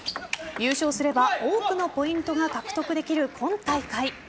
優勝すれば多くのポイントが獲得できる今大会。